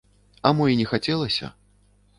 А мо і не хацелася?